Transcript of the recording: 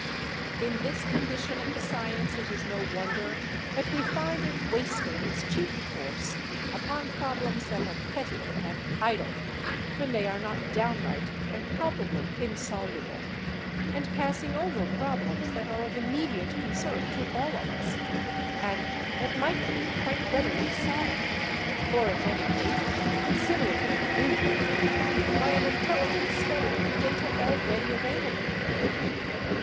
In this condition of the science it is no wonder that we find it wasting its chief force upon problems that are petty and idle when they are not downright and palpably insoluble, and passing over problems that are of immediate concern to all of us, and that might be quite readily solved, or, at any rate, considerably illuminated, by an intelligent study of the data already available.